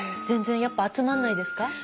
全然やっぱ集まんないですか？